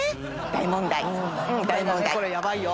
大問題。